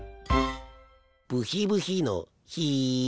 ブヒブヒのヒ。